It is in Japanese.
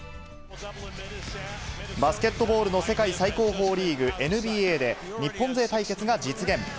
バスケットボールの世界最高峰リーグ、ＮＢＡで、日本勢対決が実現。